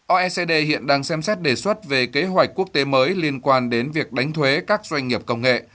oecd hiện đang xem xét đề xuất về kế hoạch quốc tế mới liên quan đến việc đánh thuế các doanh nghiệp công nghệ